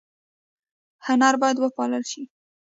هنر باید وپال ل شي